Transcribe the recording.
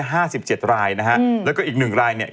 ห้าสิบเจ็ดรายนะฮะ